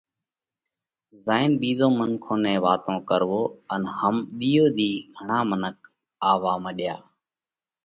زائينَ ٻِيزون منکون نئہ واتون ڪري ان هم ۮِيئو ۮِي گھڻا منک آوَوا مڏيا۔